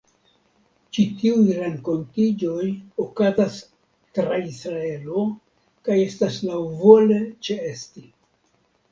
Ĉi tiuj renkontiĝoj okazas tra Israelo kaj estas laŭvole ĉeesti.